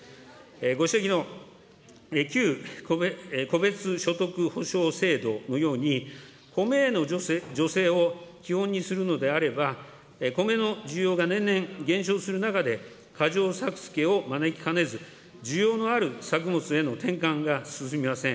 ご指摘の旧戸別所得補償制度のように、コメへの助成を基本にするのであれば、コメの需要が年々減少する中で、過剰作付けを招きかねず、需要のある作物への転換が進みません。